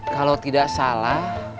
kalo tidak salah